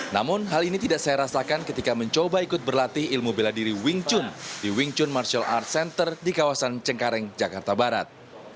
namun hal ini tidak saya rasakan ketika mencoba ikut berlatih ilmu bela diri wing chun di wing chun martial arts center di kawasan cengkareng jakarta barat